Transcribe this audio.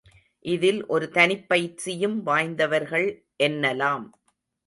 இதில் ஒரு தனிப்பயிற்சியும் வாய்ந்தவர்கள் என்னலாம்.